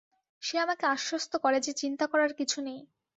সে আমাকে আশ্বস্ত করে যে চিন্তা করার কিছু নেই।